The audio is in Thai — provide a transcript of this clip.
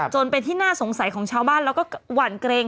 จนเป็นที่น่าสงสัยของชาวบ้านแล้วก็หวั่นเกรง